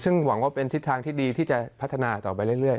ซึ่งหวังว่าเป็นทิศทางที่ดีที่จะพัฒนาต่อไปเรื่อย